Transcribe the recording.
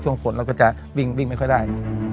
ฝนเราก็จะวิ่งไม่ค่อยได้